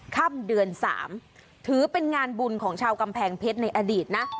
ค่ำเดือน๓ถือเป็นงานบุญของชาวกำแพงเพชรในอดีตนะ